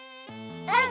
うん！